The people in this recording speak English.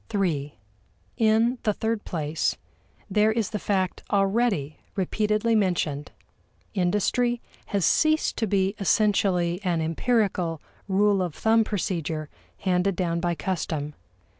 (iii) In the third place, there is the fact already repeatedly mentioned: Industry has ceased to be essentially an empirical, rule of thumb procedure, handed down by custom.